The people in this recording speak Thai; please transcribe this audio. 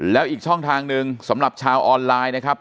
แล้วอีกช่องทางหนึ่งสำหรับชาวออนไลน์นะครับ